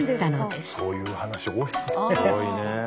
そういう話多いね。